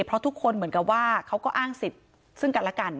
เพราะทุกคนเหมือนกับว่าเขาก็อ้างสิทธิ์ซึ่งกันและกัน